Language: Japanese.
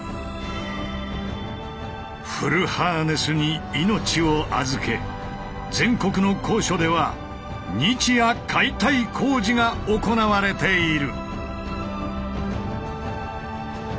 フルハーネスに命を預け全国の高所では日夜解体工事が行われている。